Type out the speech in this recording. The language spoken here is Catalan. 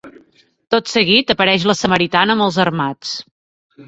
Tot seguit apareix la Samaritana amb els armats.